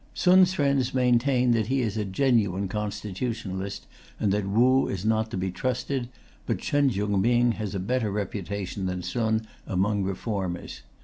Sun's friends maintain that he is a genuine Constitutionalist, and that Wu is not to be trusted, but Chen Chiung Ming has a better reputation than Sun among reformers.